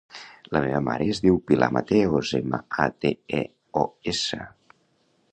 La meva mare es diu Pilar Mateos: ema, a, te, e, o, essa.